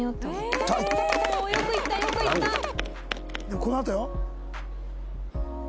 このあとよ。